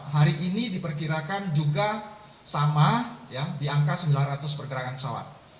hari ini diperkirakan juga sama di angka sembilan ratus pergerakan pesawat